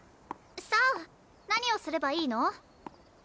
さあ何をすればいいの？